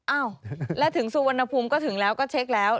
อ้าวแล้วถึงสุวรรณภูมิก็ถึงแล้วก็เช็คแล้ว